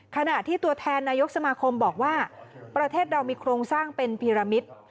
ขณะที่ตัวแทนนายกสมาคมบอกว่าประเทศเรามีโครงสร้างเป็นพีรมิตร